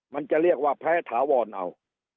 มันจะเรียกว่าแพ้ถาวรเอา